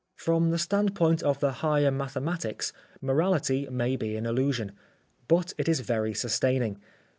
From the standpoint of the higher mathematics, morality may be an illusion. But it is very sustaining.